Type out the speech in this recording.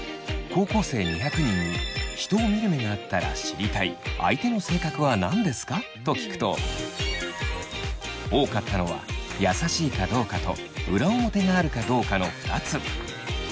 高校生２００人に人を見る目があったら知りたい相手の性格は何ですか？と聞くと多かったのは優しいかどうかと裏表があるかどうかの２つ。